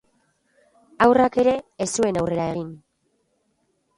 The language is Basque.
Haurrak ere ez zuen aurrera egin.